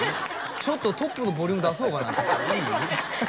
ちょっとトップのボリューム出そうかないい？